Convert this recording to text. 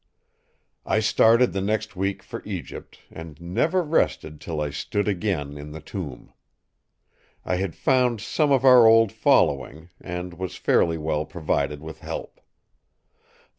"I started the next week for Egypt; and never rested till I stood again in the tomb. I had found some of our old following; and was fairly well provided with help.